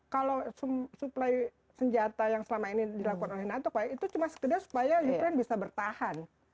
kalau suplai senjata yang selama ini dilakukan oleh natok ya itu cuma sekedar supaya ukraine bisa bertahan